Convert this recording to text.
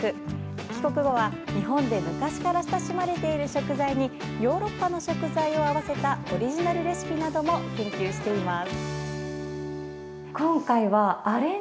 帰国後は、日本で昔から親しまれている食材にヨーロッパの食材を合わせたオリジナルレシピなども研究しています。